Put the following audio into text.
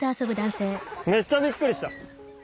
めっちゃびっくりした。